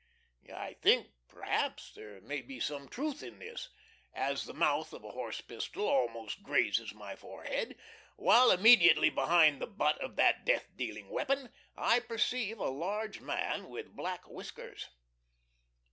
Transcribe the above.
I think perhaps there may be some truth in this, as the mouth of a horse pistol almost grazes my forehead, while immediately behind the butt of that death dealing weapon I perceive a large man with black whiskers.